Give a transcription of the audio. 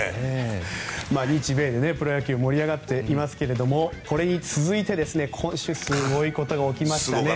日米でプロ野球、盛り上がっていますがこれに続いて今週すごいことが起きましたね。